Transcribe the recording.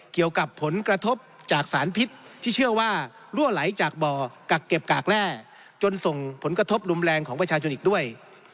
เกี่ยวกับผลกระทบจากสารพิษที่เชื่อว่ารั่วไหลจากบ่อกักเก็บกากแร่จนส่งผลกระทบรุนแรงของประชาชนอีกด้วย